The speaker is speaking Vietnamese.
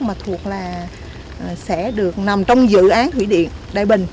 mà thuộc là sẽ được nằm trong dự án thủy điện đại bình